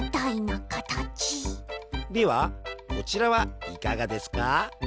ではこちらはいかがですか？